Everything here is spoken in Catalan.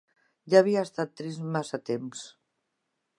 Ja havia estat trist massa temps.